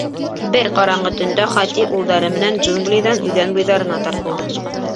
Бер ҡараңғы төндә Хати улдары менән джунглиҙан үҙән буйҙарына тартылды.